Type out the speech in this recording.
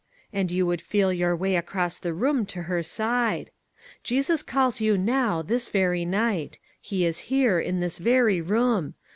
And you would feel your way across the room to her side. Jesus calls you now, this very night. He is here, in this very room.